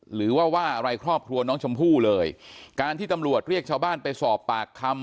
หรือว่าว่าอะไรครอบครัวน้องชมพู่เลยการที่ตำรวจเรียกชาวบ้านไปสอบปากคำ